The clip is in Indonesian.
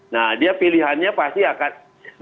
nah dia pilihannya pasti akan